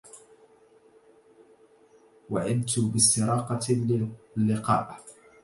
وعدت باستراقة للقاء